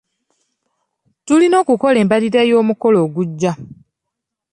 Tulina okukola embalirira y'omukolo ogujja.